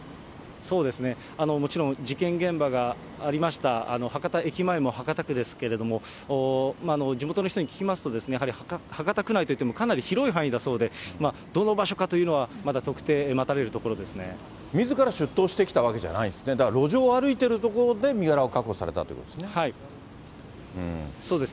そうですね、もちろん事件現場がありました博多駅前も博多区ですけれども、地元の人に聞きますと、博多区内といってもかなり広い範囲だそうで、どの場所かというのは、まだ特定、みずから出頭してきたわけじ大豆麺大豆だめっちゃおいしいＮｅｗ主食大豆麺